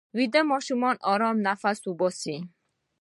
ویده ماشوم ارام نفس باسي